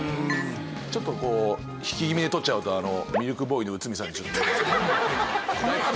ちょっと引き気味で撮っちゃうとミルクボーイの内海さんにちょっと見えます。